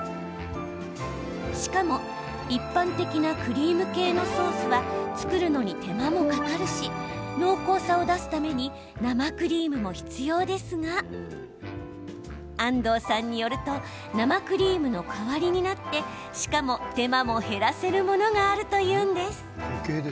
しかも、一般的なクリーム系のソースは作るのに手間もかかるし濃厚さを出すために生クリームも必要ですが安藤さんによると生クリームの代わりになってしかも手間も減らせるものがあるというんです。